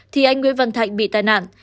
thì anh nguyễn văn thạnh bị tai nạn